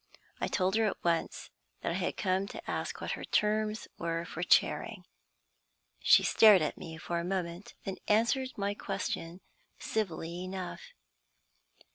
I told her at once that I had come to ask what her terms were for charing. She stared at me for a moment, then answered my question civilly enough.